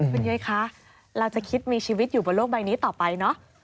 คุณยายคะเราจะคิดมีชีวิตอยู่บนโลกใบนี้ต่อไปเนอะ